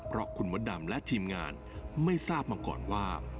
เพราะคุณมดดำและทีมงานไม่ทราบมาก่อนว่า